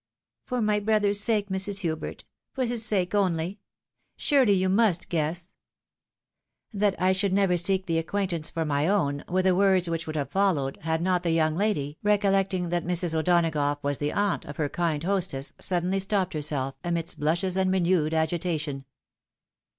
Eor my brother's sake, Mrs. Hubert, for his sake only ; surely you must guess "" That I should never seek the acquaintance for my own" were the words which would have followed, had not the young lady, recollecting that Mrs. O'Donagough was the aunt of her kind hostess, suddenly stopped herself, amidst blushes and renewed agitation.